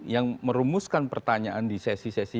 yang merumuskan pertanyaan di sesi sesi